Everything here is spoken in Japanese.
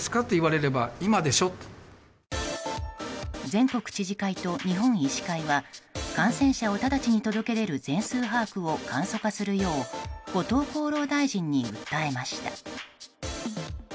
全国知事会と日本医師会は感染者を直ちに届け出る全数把握を簡素化するよう後藤厚労大臣に訴えました。